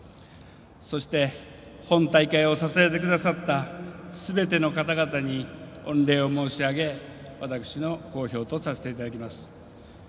そして本大会を支えてくださったすべての方々に御礼を申し上げ私の講評とさせていただきます。